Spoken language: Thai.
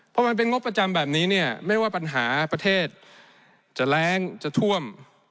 พอมันเป็นงบประจำแบบนี้เนี่ยไม่ว่าปัญหาประเทศจะแรงจะท่วม